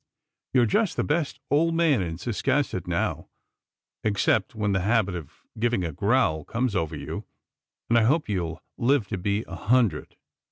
You're just the best old man in Cis casset now, except when the habit of giving a growl comes over you, and I hope you'll live to be a hundred."